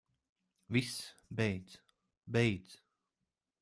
Viss, beidz. Beidz.